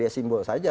dia simbol saja